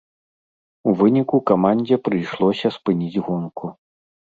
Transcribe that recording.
У выніку камандзе прыйшлося спыніць гонку.